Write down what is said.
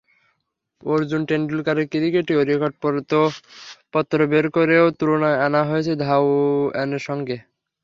অর্জুন টেন্ডুলকারের ক্রিকেটীয় রেকর্ডপত্র বের করেও তুলনায় আনা হচ্ছে ধানওয়ারের সঙ্গে।